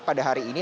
pada hari ini